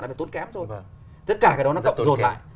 nó phải tốn kém rồi tất cả cái đó nó rộn rộn lại